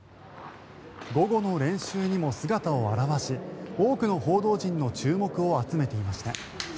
午後の練習にも姿を現し多くの報道陣の注目を集めていました。